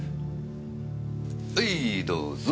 はいどうぞ。